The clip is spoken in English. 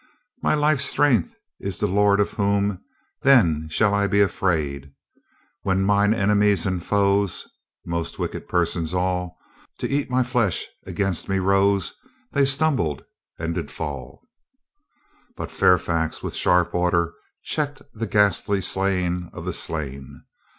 My life's strength is the Lord; of whom, Then, shall I be afraid? THE NIGHT ALARM 377 When as mine enemies and foes (Most wicked persons all) To eat my flesh against me rose, They stumbled and did fall. But Fairfax, with a sharp order, checked the ghastly slaying of the slain.